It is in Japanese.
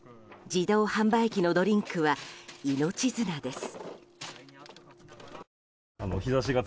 自動販売機のドリンクは命綱です。